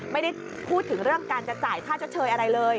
ไม่ได้พูดถึงเรื่องการจะจ่ายค่าชดเชยอะไรเลย